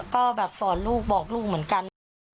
ก็แบบสอนลูกบอกลูกเหมือนกันค่ะ